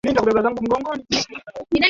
pia mvua chache katika mwezi wa saba